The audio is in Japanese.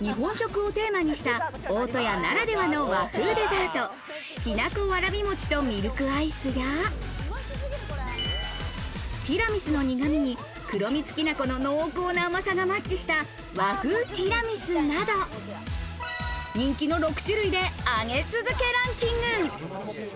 日本食をテーマにした大戸屋ならではの和風デザート、きな粉わらび餅とミルクアイスやティラミスの苦味に黒蜜きな粉の濃厚な甘さがマッチした和風ティラミスなど人気の６種類で上げ続けランキング。